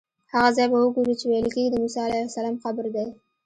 هغه ځای به وګورو چې ویل کېږي د موسی علیه السلام قبر دی.